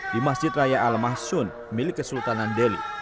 di masjid raya al mahsun milik kesultanan deli